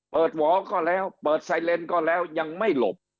หวอก็แล้วเปิดไซเลนก็แล้วยังไม่หลบ